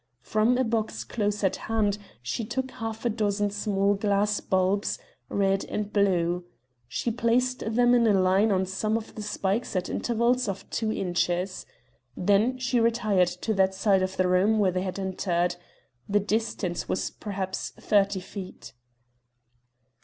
From a box close at hand she took half a dozen small glass bulbs, red and blue. She placed them in a line on some of the spikes at intervals of two inches. Then she retired to that side of the room where they had entered. The distance was perhaps thirty feet.